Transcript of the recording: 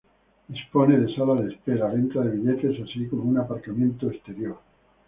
Dispone de sala de espera, venta de billetes así como un aparcamiento exterior.